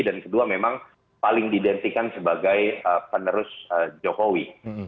dan kedua memang paling didentikan sebagai penerus jokowi